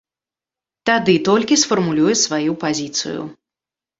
Тады толькі сфармулюе сваю пазіцыю.